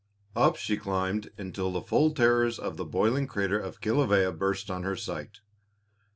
Up she climbed until the full terrors of the boiling crater of Kilawea burst on her sight.